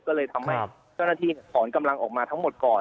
ก็เลยทำให้เจ้าหน้าที่ถอนกำลังออกมาทั้งหมดก่อน